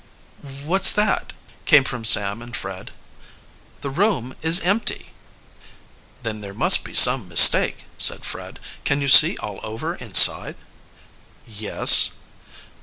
"What's that?" came from Sam and Fred. "The room is empty." "Then there must be some mistake," said Fred. "Can you see all over inside?" "Yes."